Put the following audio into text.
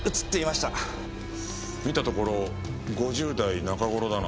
見たところ５０代中頃だな。